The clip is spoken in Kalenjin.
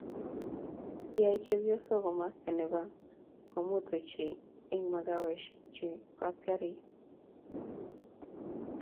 Kiyay chepyosoo komosta ne bo komonut ochei eng makaweshe che bo askariik.